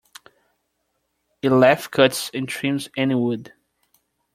A lathe cuts and trims any wood.